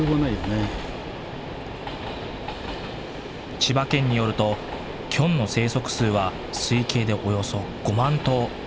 千葉県によるとキョンの生息数は推計でおよそ５万頭。